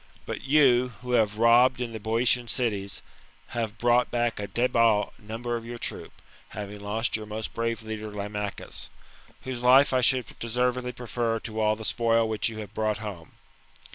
But you, who have robbed in the Boeotian cities, have brought back a debile number of your troop, having lost your most brave leader Lamachus, whose life I should deservedly prefer to all the spoil which you have brought home.